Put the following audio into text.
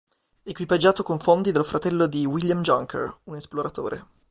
Equipaggiato con fondi dal fratello di Wilhelm Junker, un esploratore.